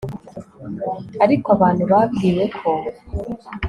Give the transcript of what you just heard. ariko abantu babwiwe ko